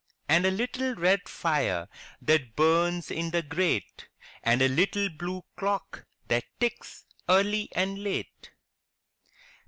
And a little red fire that burns in the grate. And a little blue clock that ticks early and late.